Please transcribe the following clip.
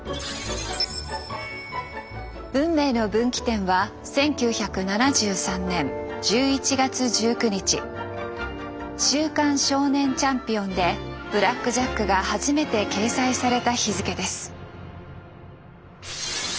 運命の分岐点は「週刊少年チャンピオン」で「ブラック・ジャック」が初めて掲載された日付です。